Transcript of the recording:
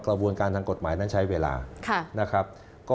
กระบวนการทางกฎหมายนั้นใช้เวลานะครับ